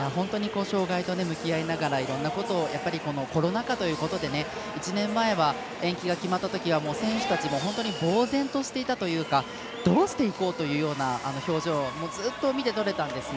障がいと向き合いながらいろんなことをコロナ禍ということで１年前は延期が決まったときは選手たちも本当にぼうぜんとしていたというかどうしていこうというような表情をずっと見て取れたんですね。